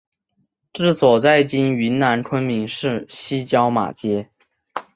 治所在今云南昆明市西郊马街。